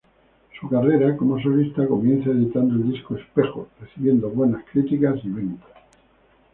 Su carrera como solista comienza editando el disco "Espejos" recibiendo buenas críticas y ventas.